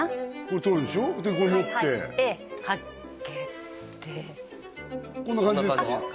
取るでしょでこう持ってかけてこんな感じですか？